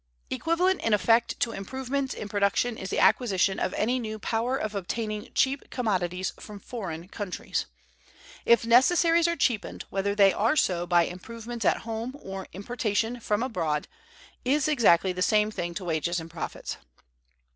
Equivalent in effect to improvements in production is the acquisition of any new power of obtaining cheap commodities from foreign countries. If necessaries are cheapened, whether they are so by improvements at home or importation from abroad, is exactly the same thing to wages and profits.